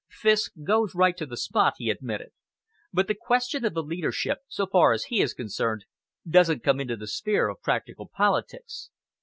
"Fiske goes right to the spot," he admitted, "but the question of the leadership, so far as he is concerned, doesn't come into the sphere of practical politics.